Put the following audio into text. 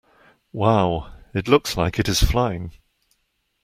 Wow! It looks like it is flying!